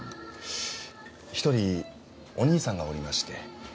１人お兄さんがおりまして。